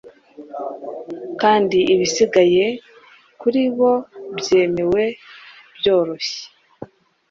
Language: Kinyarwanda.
Kandi ibisigaye kuri bo byemewe byoroshye